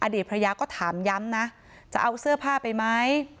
อดีตภรรยาก็ถามย้ำนะจะเอาเสื้อผ้าไปไหม